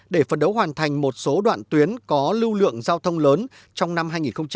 để phấn đấu hoàn thành một số đoạn tuyến có lưu lượng giao thông lớn trong năm hai nghìn hai mươi